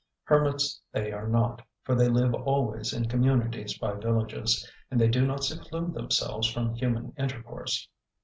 Hermits they are not, for they live always in communities by villages, and they do not seclude themselves from human intercourse.